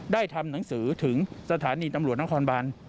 ได้ทำหนังสือถึงสถานีตำรวจหน้าคอนบาน